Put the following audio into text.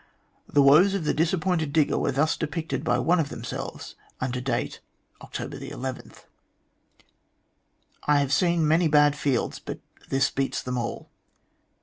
The woes of the disappointed digger were thus depicted by one of themselves, under date October 11 :" I have seen many bad fields, but this beats all.